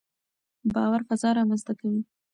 باور فضا رامنځته کړئ.